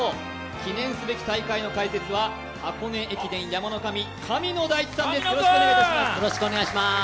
記念すべき大会の解説は箱根駅伝山の神、神野大地さんです。